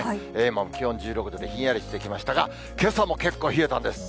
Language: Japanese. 今も気温１６度でひんやりしてきましたが、けさも結構冷えたんです。